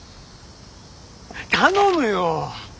頼むよ。